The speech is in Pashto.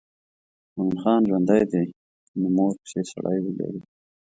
مومن خان ژوندی دی نو مور پسې سړی ولېږه.